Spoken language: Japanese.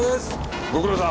ご苦労さん。